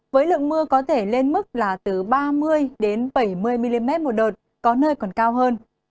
với lượng mưa có thể lên mức là từ ba mươi bảy mươi mm một đợt có nơi còn cao hơn